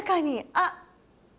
あっ。